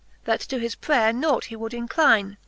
That to his prayer nought he would incline.